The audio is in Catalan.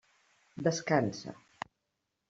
Descansa.